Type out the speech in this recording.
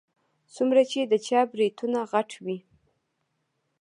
څومره چې د چا برېتونه غټ وي.